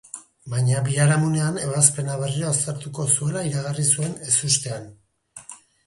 Baina biharamunean ebazpena berriro aztertuko zuela iragarri zuen, ezustean.